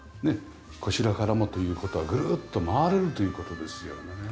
ねっこちらからもという事はぐるっと回れるという事ですよね。